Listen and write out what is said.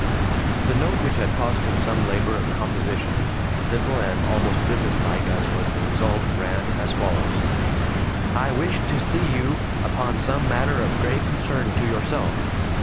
The note, which had cost him some labor of composition, simple and almost businesslike as was the result, ran as follows: "I wish to see you upon some matter of grave concern to yourself.